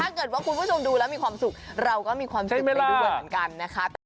ถ้าเกิดว่าคุณผู้ชมดูแล้วมีความสุขเราก็มีความสุขมากดีด้วยเหมือนกัน